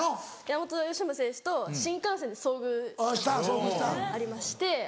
山本由伸選手と新幹線で遭遇したことがありまして。